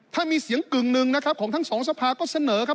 ถ้ามีเสียงกึ่งหนึ่งนะครับของทั้งสองสภาก็เสนอครับ